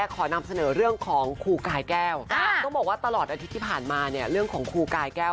ค่ะขอเรียกของคู่กายแก้ว